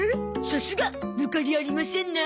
さすがぬかりありませんな。